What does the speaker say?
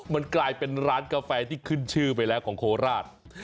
มันกลายเป็นร้านกาแฟที่ขึ้นชื่อไปแล้วของโคราช